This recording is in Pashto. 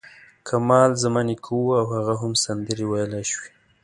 کمال زما نیکه و او هغه هم سندرې ویلای شوې.